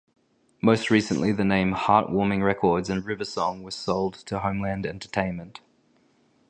Most recently the name Heart Warming Records and RiverSong was sold to Homeland Entertainment.